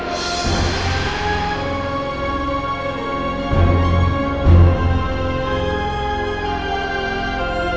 raden kian santang